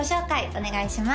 お願いします